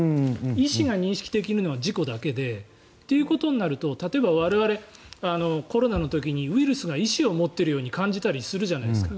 意思が認識できるのは自己だけでというのは例えば、我々コロナの時にウイルスが意思を持っているように感じたりするじゃないですか。